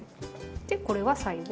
でこれは最後。